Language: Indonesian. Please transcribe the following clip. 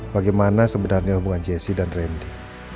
bagaimana sebenarnya hubungan jessi dan randy